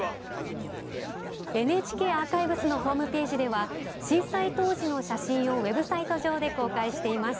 ＮＨＫアーカイブスのホームページでは震災当時の写真をウェブサイト上で公開しています。